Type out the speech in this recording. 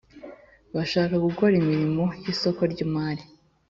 bashaka gukora imirimo y isoko ry imari